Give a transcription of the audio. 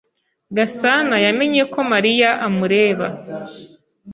Gasana yamenye ko Mariya amureba.